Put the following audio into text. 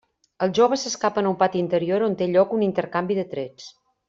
Els joves s'escapen a un pati interior on té lloc un intercanvi de trets.